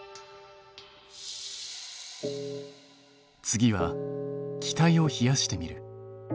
次は気体を冷やしてみる。